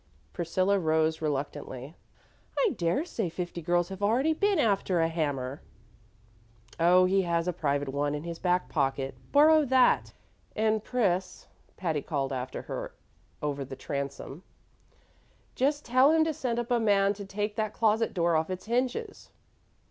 Priscilla rose reluctantly. "I dare say fifty girls have already been after a hammer." "Oh, he has a private one in his back pocket. Borrow that. And, Pris," Patty called after her over the transom, "just tell him to send up a man to take that closet door off its hinges."